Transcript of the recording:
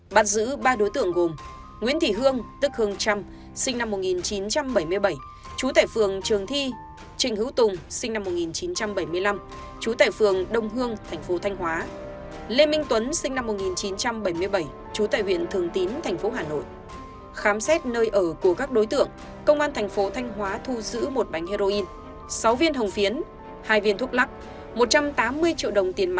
bạn giữ ba đối tượng gồm